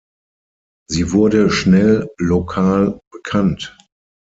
Sie wurde schnell lokal bekannt.